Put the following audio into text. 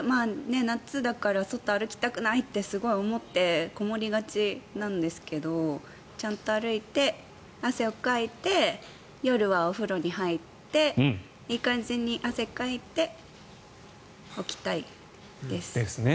夏だから外、歩きたくないってすごく思ってこもりがちなんですけどちゃんと歩いて汗をかいて、夜はお風呂に入っていい感じに汗をかいておきたいです。ですね。